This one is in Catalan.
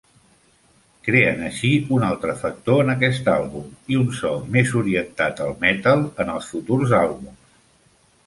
Creant així un altre factor en aquest àlbum i un so més orientat al metal en el futurs àlbums.